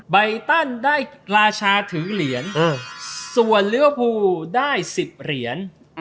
ใบตั้นได้ราชาถือเหรียญส่วนเรื้อผูได้๑๐เหรียญ